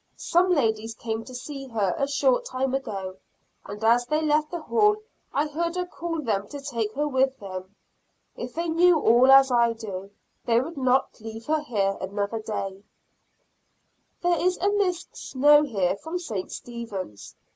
Some ladies came to see her a short time ago, and as they left the hall I heard her call them to take her with them. If they knew all as I do, they would not leave her here another day. There is a Miss Snow here from St. Stephens.